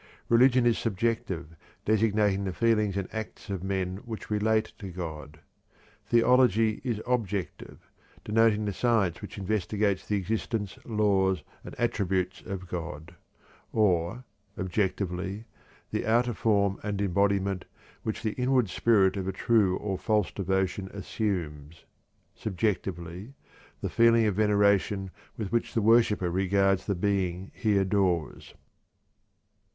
Religion is subjective, designating the feelings and acts of men which relate to God; theology is objective, denoting the science which investigates the existence, laws, and attributes of God;" or (objectively) "the outer form and embodiment which the inward spirit of a true or a false devotion assumes," (subjectively) "the feeling of veneration with which the worshiper regards the Being he adores."